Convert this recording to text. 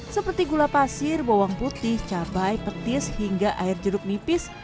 seperti gula pasir bawang putih cabai petis hingga air jeruk nipis